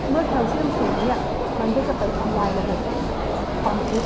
เมื่อคลายเชื่อมสูงเนี่ยมันก็จะเป็นทำลายระเบิดความทริป